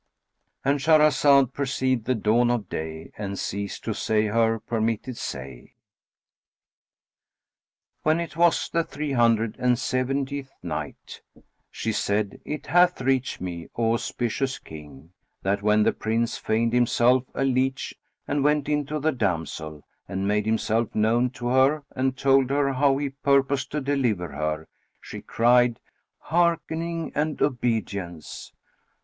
"—And Shahrazad perceived the dawn of day and ceased to say her permitted say. When it was the Three Hundred and Seventieth Night, She said, It hath reached me, O auspicious King, that when the Prince feigned himself a leach and went in to the damsel and made himself known to her and told her how he purposed to deliver her, she cried "Hearkening and obedience!"